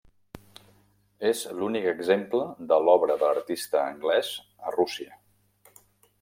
És l'únic exemple de l'obra de l'artista anglès a Rússia.